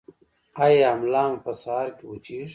ایا ملا مو په سهار کې وچیږي؟